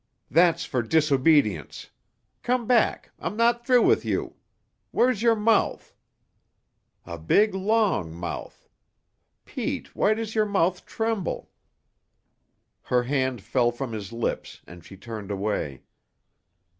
"That's for disobedience. Come back. I'm not through with you. Where's your mouth? A big, long mouth. Pete, why does your mouth tremble?" Her hand fell from his lips, and she turned away.